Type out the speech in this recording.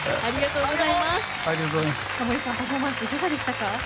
タモリさん、パフォーマンスいかがでしたか？